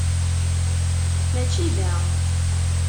Mačči da.